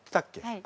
はい。